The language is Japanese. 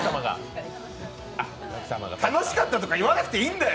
楽しかったとかいわなくていいんだよ！